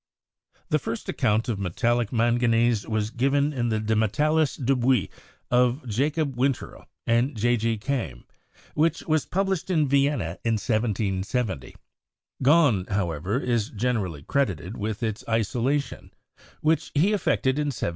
The first account of metallic manganese was given in the 'De metallis dubiis' of Jacob Winterl and J. G. Kaim, which was published in Vienna in 1770. Gahn, however, is generally credited with its isolation, which he effected in 1774.